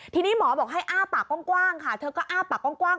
ทีนี้หมอบอกให้อ้าปากกว้างค่ะเธอก็อ้าปากกว้าง